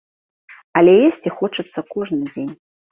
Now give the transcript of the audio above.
Але есці хочацца кожны дзень.